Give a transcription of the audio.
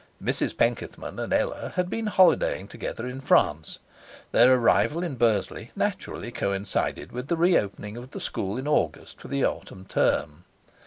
Mrs Penkethman and Ella had been holidaying together in France; their arrival in Bursley naturally coincided with the reopening of the school in August for the autumn term.